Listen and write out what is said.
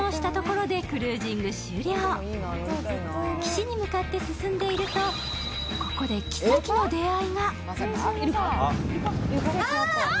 岸に向かって進んでいるとここで奇跡の出会いが。